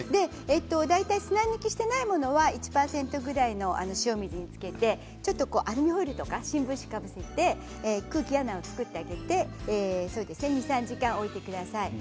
大体砂抜きしていないもの１％ぐらいの塩水につけてちょっとアルミホイルとか新聞紙をかぶせて空気穴を作ってあげて２、３時間置いてください。